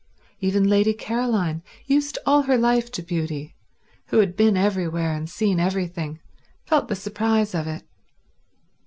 Even Lady Caroline, used all her life to beauty, who had been everywhere and seen everything, felt the surprise of it.